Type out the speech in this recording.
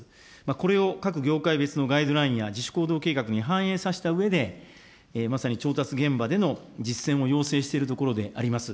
これを各業界別のガイドラインや自主行動計画に反映させたうえで、まさに調達現場での実践を要請しているところであります。